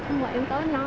xong rồi em tới nói